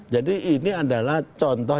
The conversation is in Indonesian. jadi ini adalah contoh